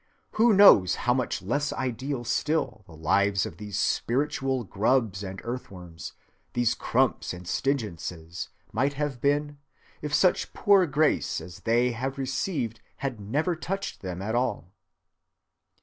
Who knows how much less ideal still the lives of these spiritual grubs and earthworms, these Crumps and Stigginses, might have been, if such poor grace as they have received had never touched them at all?